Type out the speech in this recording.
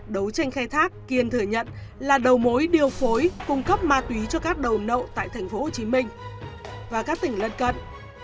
đấu tranh khai thác kiên thừa nhận là đầu mối điều phối cung cấp ma túy cho các đầu nậu tại tp hcm và các tỉnh lân cận